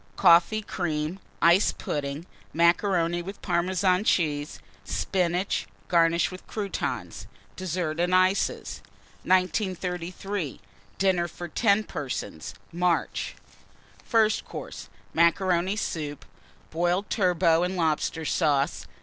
Coffee Cream. Ice Pudding. Macaroni with Parmesan Cheese. Spinach, garnished with Croutons. DESSERT AND ICES. 1933. DINNER FOR 10 PERSONS (March). FIRST COURSE. Macaroni Soup. Boiled Turbot and Lobster Sauce.